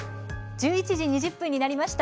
１１時２０分になりました。